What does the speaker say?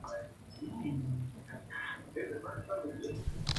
ellas dudarían